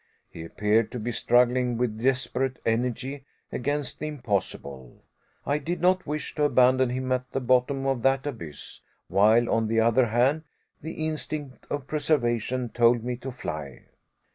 He appeared to be struggling with desperate energy against the impossible. I did not wish to abandon him at the bottom of that abyss, while, on the other hand, the instinct of preservation told me to fly.